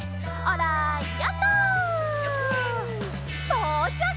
とうちゃく！